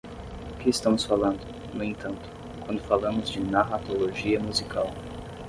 O que estamos falando, no entanto, quando falamos de narratologia musical?